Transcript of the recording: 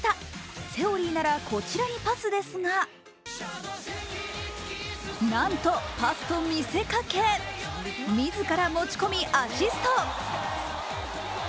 セオリーならこちらにパスですがなんとパスと見せかけ、自ら持ち込みアシスト。